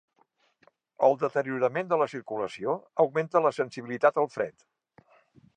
El deteriorament de la circulació augmenta la sensibilitat al fred.